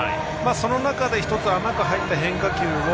その中で１つ甘く入った変化球を